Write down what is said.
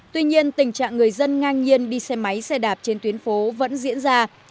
tuy nhiên tình trạng người dân ngang nhiên đi xe máy xe đạp trên tuyến phố vẫn diễn ra